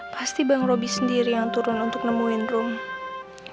pasti bang robby sendiri yang turun untuk menemukan saya